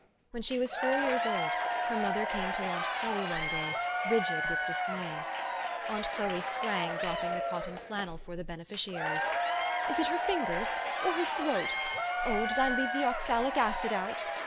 When she was four years old, her mother came to aunt Chloe one day, rigid with dismay. Aunt Chloe sprang, dropping the cotton flannel for the beneficiaries. " Is it her fingers? or her throat? Oh ! did I leave the oxalic acid out?